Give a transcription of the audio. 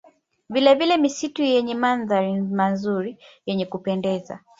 Vilevile misitu yenye mandhari mazuri yenye kupendeza